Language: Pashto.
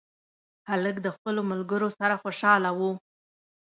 هلک د خپلو ملګرو سره خوشحاله و.